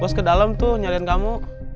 bos ke dalem tuh nyariin kamu